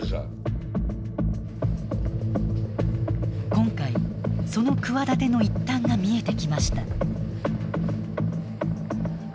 今回その企ての一端が見えてきました。